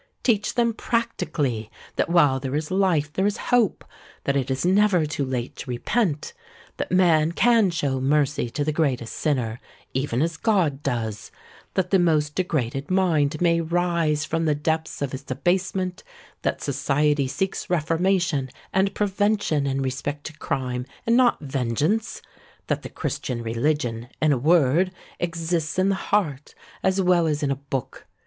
Teach them practically that while there is life there is hope,—that it is never too late to repent,—that man can show mercy to the greatest sinner, even as God does,—that the most degraded mind may rise from the depths of its abasement,—that society seeks reformation and prevention in respect to crime, and not vengeance,—that the Christian religion, in a word, exists in the heart as well as in a book.